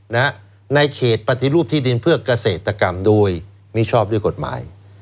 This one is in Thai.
ในเขตปฏิรูปที่ดินเพื่อเกษตรกรรมโดยมิชอบด้วยกฎหมาย